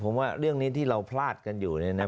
ผมว่าเรื่องนี้ที่เราพลาดกันอยู่เนี่ยนะ